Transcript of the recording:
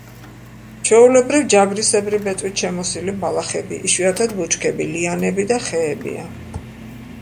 ჩვეულებრივ ჯაგრისებრი ბეწვით შემოსილი ბალახები, იშვიათად ბუჩქები, ლიანები და ხეებია.